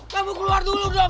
kamu keluar dulu dong